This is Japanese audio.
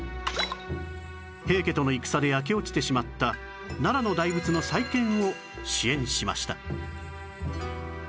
平家との戦で焼け落ちてしまった奈良の大仏の再建を支援しました